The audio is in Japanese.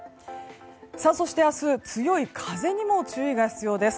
そして明日、強い風にも注意が必要です。